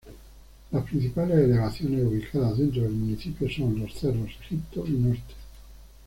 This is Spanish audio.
Las principales elevaciones ubicadas dentro del municipio son: los cerros Egipto y Norte.